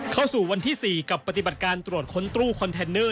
เข้าสู่วันที่๔กับปฏิบัติการตรวจค้นตู้คอนเทนเนอร์